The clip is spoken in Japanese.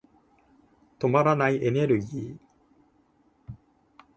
止まらないエネルギー。